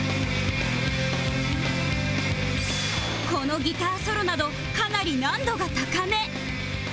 このギターソロなどかなり難度が高め